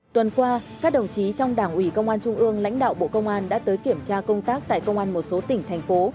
tuần qua các đồng chí trong đảng ủy công an trung ương lãnh đạo bộ công an đã tới kiểm tra công tác tại công an một số tỉnh thành phố